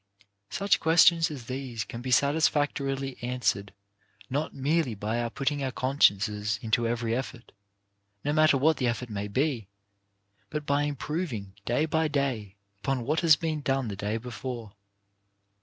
Such questions as these can be satisfactorily answered not merely by our putting our con sciences into every effort, no matter what the effort may be, but by improving, day by day, upon what has been done the day before.